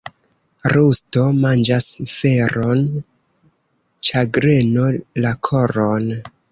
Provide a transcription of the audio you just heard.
Rusto manĝas feron, ĉagreno la koron.